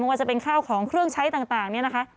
ว่าจะเป็นข้าวของเครื่องใช้ต่างเนี่ยนะคะ